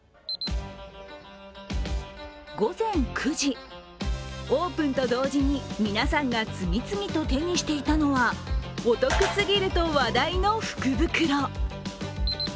午前９時、オープンと同時に皆さんが次々と手にしていたのはお得すぎると話題の福袋。